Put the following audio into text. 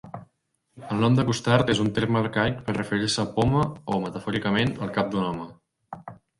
El nom de Costard és un terme arcaic per referir-se a poma o, metafòricament, al cap d'un home.